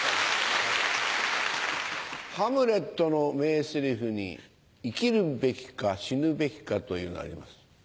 『ハムレット』の名せりふに「生きるべきか死ぬべきか」というのがあります。